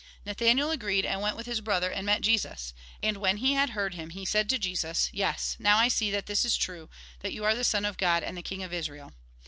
Nathanael agreed, and went with his brother, and met Jesus ; and, when he had heard him, he said to Jesus :" Yes, now I see that this is true, that you are the Son of God and the king of Israel."